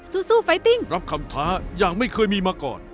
สู้ไฟติ้งรับคำท้าอย่างไม่เคยมีมาก่อน